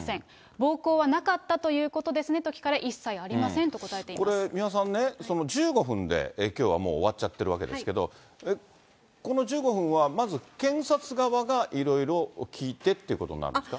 暴行はなかったということですね？と聞かれ、一切ありませんと答これ、三輪さんね、１５分できょうはもう終わっちゃっているわけですけれども、この１５分は、まず検察側がいろいろ聞いてということになるんですか。